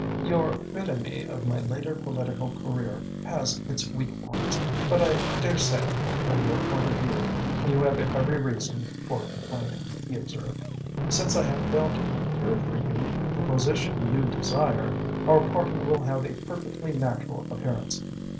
"Your epitome of my later political career has its weak points, but I dare say, from your point of view, you have every reason for complaint," he observed. "Since I have failed to procure for you the position you desire, our parting will have a perfectly natural appearance.